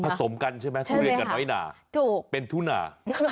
สมกันใช่ไหมทุเรียนกับน้อยหนาเป็นทุนา